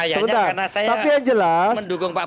sebentar tapi yang jelas